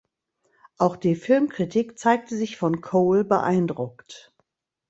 Auch die Filmkritik zeigte sich von Cole beeindruckt.